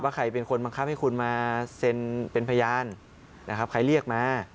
ใครเป็นคนบังคับให้คุณมาเซ็นเป็นพยานนะครับใครเรียกมา